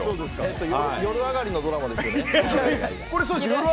夜上がりのドラマですよね？